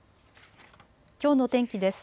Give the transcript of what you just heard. きょうの天気です。